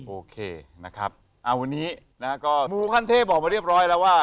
โอเคนะครับวันนี้นะฮะก็มูขั้นเทพบอกมาเรียบร้อยแล้วว่า